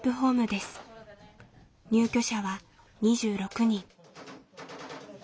入居者は２６人。